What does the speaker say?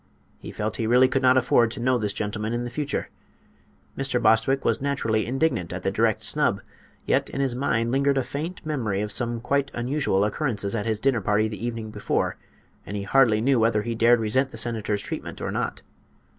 He felt he really could not afford to know this gentleman in the future. Mr. Bostwick was naturally indignant at the direct snub; yet in his mind lingered a faint memory of some quite unusual occurrences at his dinner party the evening before, and he hardly knew whether he dared resent the senator's treatment or not.